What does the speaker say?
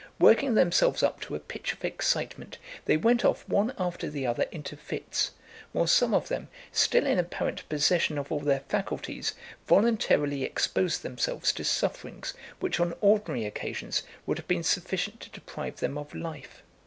Working themselves up to a pitch of excitement, they went off one after the other into fits, while some of them, still in apparent possession of all their faculties, voluntarily exposed themselves to sufferings which on ordinary occasions would have been sufficient to deprive them of life.